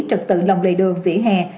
trực tự lòng đầy đường vỉa hè